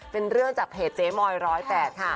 เป็นเรื่องจากเพจเจ๊มอย๑๐๘ค่ะ